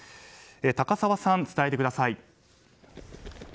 高沢さん、伝えてください。